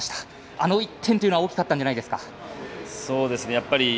あの１点というのは大きかったんじゃないですか？